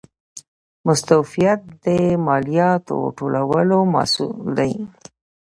مستوفیت د مالیاتو ټولولو مسوول دی